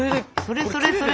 それそれそれ。